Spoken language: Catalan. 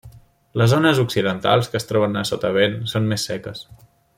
Les zones occidentals, que es troben a sotavent, són més seques.